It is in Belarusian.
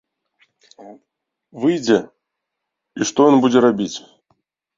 Выйдзе, і што ён будзе рабіць?